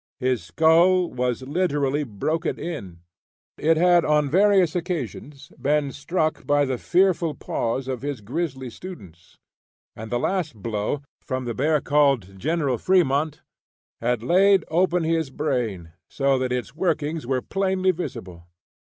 His skull was literally broken in. It had on various occasions been struck by the fearful paws of his grizzly students; and the last blow, from the bear called "General Fremont," had laid open his brain, so that its workings were plainly visible.